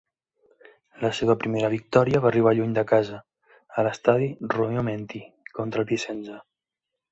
La seva primera victòria va arribar lluny de casa, a l'estadi Romeo Menti contra el Vicenza.